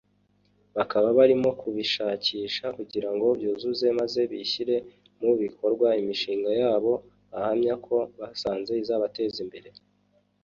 bakaba barimo kubishakisha kugira ngo byuzure maze bashyire mu bikorwa imishinga yabo bahamya ko basanze izabateza imbere